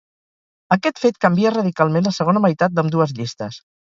Aquest fet canvia radicalment la segona meitat d'ambdues llistes.